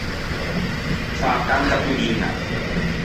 Fâ tanta tonniña.